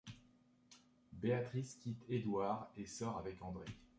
Béatrice quitte Édouard et sort avec André.